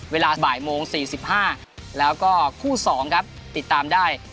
เวลาบ่ายโมงสี่สิบห้าแล้วก็คู่สองครับติดตามได้